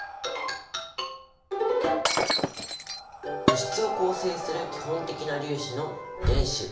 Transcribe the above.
物質を構成する基本的な粒子の原子。